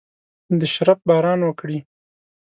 د شرپ باران وکړي